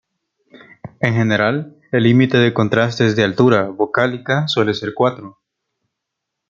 En general, el límite de contrastes de altura vocálica suele ser cuatro.